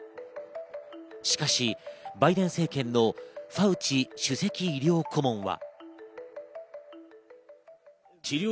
しかしバイデン政権のファウチ首席医療顧問は。